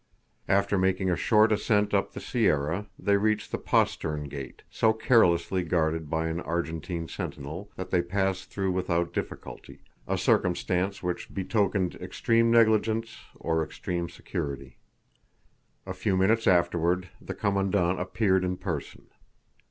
After making a short ascent up the sierra, they reached the postern gate, so carelessly guarded by an Argentine sentinel, that they passed through without difficulty, a circumstance which betokened extreme negligence or extreme security. A few minutes afterward the Commandant appeared in person.